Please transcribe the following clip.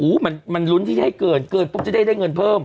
มันลุ้นที่จะให้เกินเกินปุ๊บจะได้เงินเพิ่ม